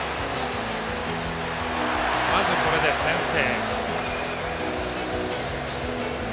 まず、これで先制。